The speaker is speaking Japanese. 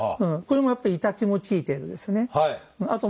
これもやっぱ痛気持ちいい程度ですね。